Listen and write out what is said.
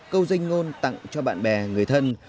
câu danh ngôn tặng cho bạn bè người thân